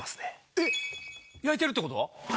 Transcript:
えっ⁉焼いてるってこと？